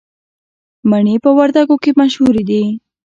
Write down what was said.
مڼې په وردګو کې مشهورې دي